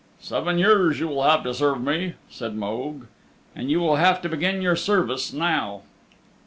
"Seven years you will have to serve me," said Mogue, "and you will have to begin your service now."